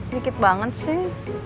dikit banget sih